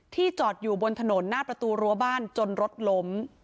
จอดอยู่บนถนนหน้าประตูรั้วบ้านจนรถล้ม